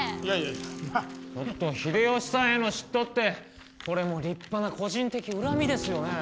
秀吉さんへの嫉妬ってこれも立派な個人的恨みですよね？